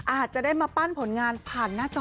อาจจะได้มาปั้นผลงานผ่านหน้าจอ